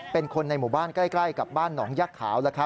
เป็นคนในหมู่บ้านใกล้กับบ้านหนองยักษ์ขาว